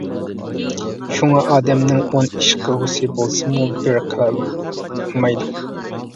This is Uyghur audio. شۇڭا ئادەمنىڭ ئون ئىش قىلغۇسى بولسىمۇ بىر قىلالمايدۇ.